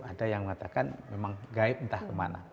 ada yang mengatakan memang gaib entah kemana